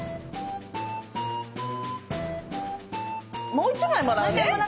もう１回もらって。